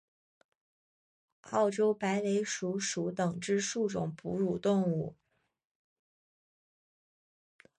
澳洲白尾鼠属等之数种哺乳动物。